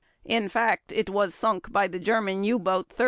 In fact, it was sunk by the German U boat 30.